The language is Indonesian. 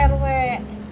dari yati pak